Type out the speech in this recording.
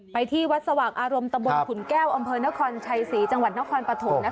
ที่วัดสว่างอารมณ์ตะบนขุนแก้วอำเภอนครชัยศรีจังหวัดนครปฐม